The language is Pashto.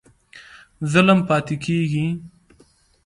ظلم پاتی کیږي؟